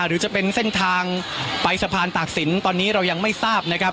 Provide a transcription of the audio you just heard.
หรือจะเป็นเส้นทางไปสะพานตากศิลป์ตอนนี้เรายังไม่ทราบนะครับ